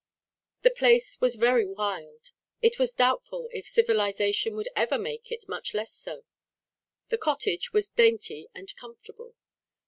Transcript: The place was very wild; it was doubtful if civilisation would ever make it much less so. The cottage was dainty and comfortable.